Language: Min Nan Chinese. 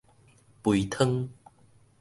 肥湯